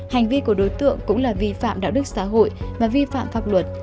hành vi của đối tượng cũng là vi phạm đạo đức xã hội và vi phạm pháp luật